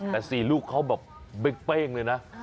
แต่๔ลูกเขาแบบเป้งเลยนะ